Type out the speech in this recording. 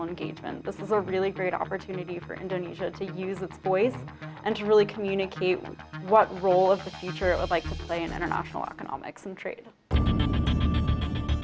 ini adalah kesempatan yang sangat bagus untuk indonesia untuk menggunakan suara dan untuk mengkomunikasi apa yang akan berperan di masa depan dalam ekonomi dan perniagaan internasional